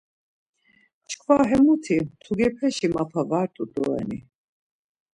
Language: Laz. Çkva hemuti mtugepeşi mapa var t̆u doreni!